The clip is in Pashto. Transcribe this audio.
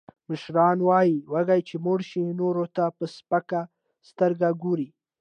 مشران وایي، وږی چې موړ شي، نورو ته په سپکه سترگه گوري.